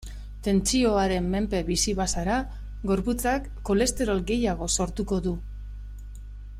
Tentsioaren menpe bizi bazara, gorputzak kolesterol gehiago sortuko du.